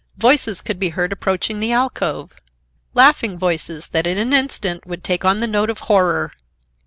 Voices could be heard approaching the alcove,—laughing voices that in an instant would take on the note of horror.